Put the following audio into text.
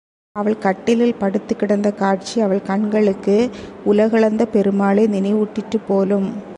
அவள் கட்டிலில் படுத்துக்கிடந்த காட்சி அவள் கண்களுக்கு உலகளந்த பெருமாளே நினைவூட்டிற்றுப் போலும்!